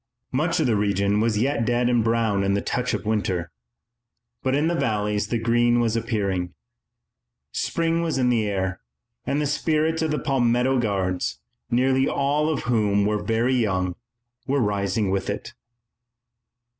Much of the region was yet dead and brown from the touch of winter, but in the valleys the green was appearing. Spring was in the air, and the spirits of the Palmetto Guards, nearly all of whom were very young, were rising with it.